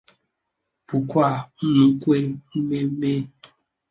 bụkwa nnukwu mmemme ọzọ obodo ahụ na-eme